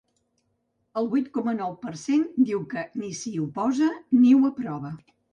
El vuit coma nou per cent diu que ni s’hi oposa ni ho aprova.